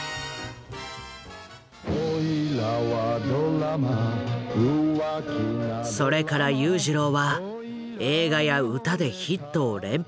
「俺らはドラマー」それから裕次郎は映画や歌でヒットを連発。